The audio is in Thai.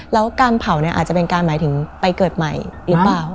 แล้วการเผาเนี่ยอาจจะเป็นการหมายถึงไปเกิดใหม่หรือเปล่า